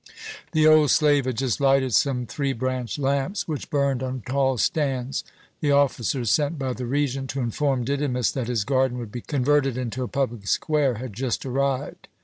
The old slave had just lighted some three branched lamps which burned on tall stands. The officers sent by the Regent to inform Didymus that his garden would be converted into a public square had just arrived.